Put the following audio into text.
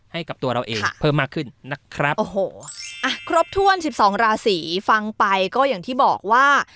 ให้กับตัวเราเองเพิ่มมากขึ้นนะครับโอ้โหอ่ะครบถ้วนสิบสองราศีฟังไปก็อย่างที่บอกว่า